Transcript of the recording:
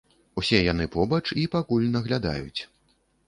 Усе яны побач і пакуль наглядаюць.